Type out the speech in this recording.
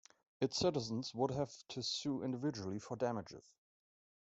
Its citizens would have to sue individually for damages.